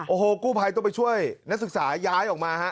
โอ้โหกู้ภัยต้องไปช่วยนักศึกษาย้ายออกมาฮะ